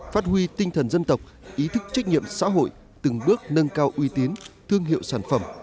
phát huy tinh thần dân tộc ý thức trách nhiệm xã hội từng bước nâng cao uy tín thương hiệu sản phẩm